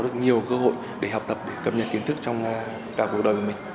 được nhiều cơ hội để học tập để cập nhật kiến thức trong cả cuộc đời của mình